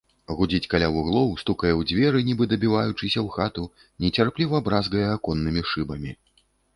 Гудзіць каля вуглоў, стукае ў дзверы, нібы дабіваючыся ў хату, нецярпліва бразгае аконнымі шыбамі.